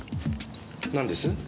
なんです？